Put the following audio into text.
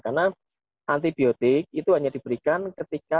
karena antibiotik itu hanya diberikan ketika